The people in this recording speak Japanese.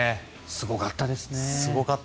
すごかったですね。